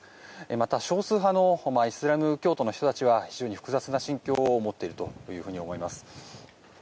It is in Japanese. また、少数派のイスラム教徒の人たちは非常に複雑な心境を持っていると思います。